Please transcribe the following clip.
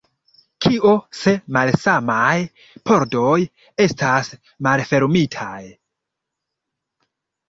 Kio se malsamaj pordoj estas malfermitaj?